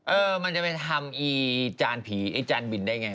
เออมันจะไปทำอีจานผีไอ้จานบินได้ไง